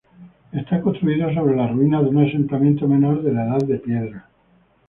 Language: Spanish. Está construido sobre las ruinas de un asentamiento menor de la Edad de Piedra.